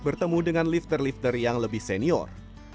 bertemu dengan lifter lifter yang lebih senior